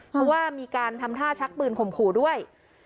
เพราะว่ามีการทำท่าชักปืนข่มขู่ด้วย